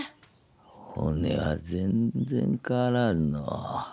おねは全然変わらんのう。